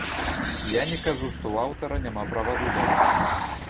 Я не кажу, што ў аўтара няма права выбару.